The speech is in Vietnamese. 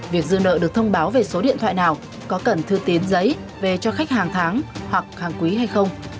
việc dư nợ được thông báo về số điện thoại nào có cần thư tiến giấy về cho khách hàng tháng hoặc hàng quý hay không